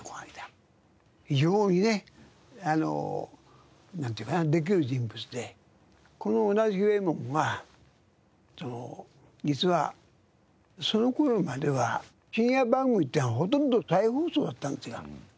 非常にねなんというかねできる人物でこの小田久栄門は実はその頃までは深夜番組っていうのはほとんど再放送だったんですよ。